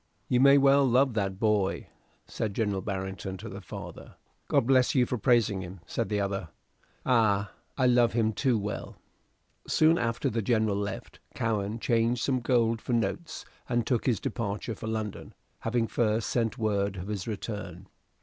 "You may well love that boy," said Central Barrington to the father. "God bless you for praising him," said the other. "Ay, I love him too well." Soon after the General left, Cowen changed some gold for notes, and took his departure for London, having first sent word of his return.